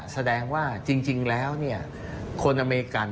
แสดงว่าจริงแล้วคนอเมริกัน